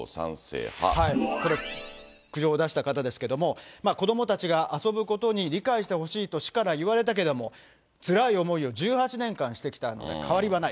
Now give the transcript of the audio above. これ、苦情を出した方ですけれども、子どもたちが遊ぶことに理解してほしいと市から言われたけれども、つらい思いを１８年間してきたので、変わりはない。